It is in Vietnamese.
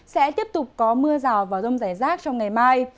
sẽ tiếp tục có mưa rào và rông rải rác trong ngày mai